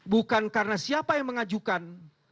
bukan karena siapa yang mengajukan